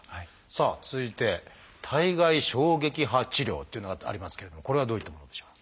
さあ続いて「体外衝撃波治療」というのがありますけれどこれはどういったものでしょう？